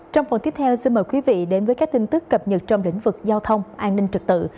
trong phần tiếp theo xin mời quý vị đến với các tin tức cập nhật trong lĩnh vực giao thông an ninh trật tự